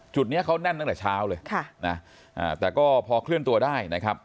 จุดนี้เขาแน่นตั้งแต่เช้าเลยค่ะนะแต่ก็พอเคลื่อนตัวได้นะครับ